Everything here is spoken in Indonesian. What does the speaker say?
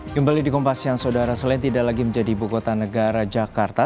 kembali di kompas yang saudara selain tidak lagi menjadi ibu kota negara jakarta